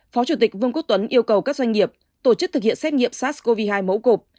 phó chủ tịch vương quốc tuấn yêu cầu các doanh nghiệp tổ chức thực hiện xét nghiệm sars cov hai mẫu cột